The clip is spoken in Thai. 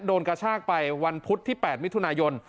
กระชากไปวันพุธที่๘มิถุนายน